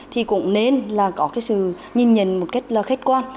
thì cũng nên là có cái sự nhìn nhận một cách là khách quan